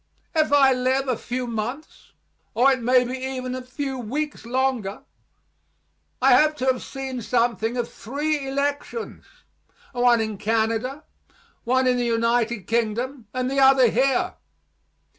If I live a few months, or it may be even a few weeks longer, I hope to have seen something of three elections one in Canada, one in the United Kingdom, and the other here.